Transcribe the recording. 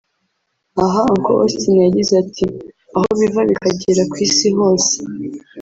Aha Uncle Austin yagize ati” Aho biva bikagera ku isi hose